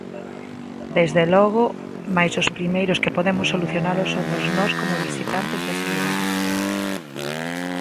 Desde logo, mais os primeiros que podemos solucionalo somos nós como visitantes deses lugares.